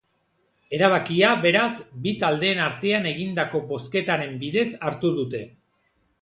Erabakia, beraz, bi taldeen artean egindako bozketaren bidez hartu dute.